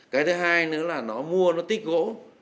cái thứ hai nữa là nó mua nó tích gỗ